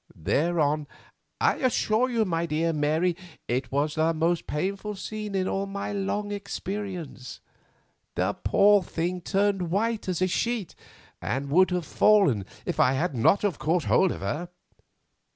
Thereon—I assure you, my dear Mary, it was the most painful scene in all my long experience—the poor thing turned white as a sheet, and would have fallen if I had not caught hold of her.